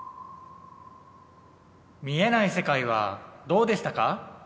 見えない世界はどうでしたか？